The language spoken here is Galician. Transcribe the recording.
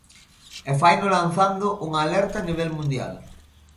E faino lanzando unha alerta a nivel mundial.